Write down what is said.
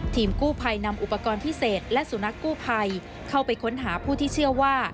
ทีมกู้ภัยนำอุปกรณ์พิเศษและสุนัขกู้ภัยเข้าไปค้นหาผู้ที่เชื่อว่า